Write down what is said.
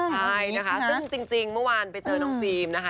ใช่นะคะซึ่งจริงเมื่อวานไปเจอน้องฟิล์มนะคะ